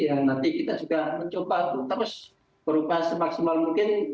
yang nanti kita juga mencoba terus berubah semaksimal mungkin